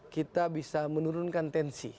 kita bisa menurunkan tensi